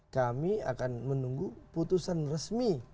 kami akan menunggu putusan resmi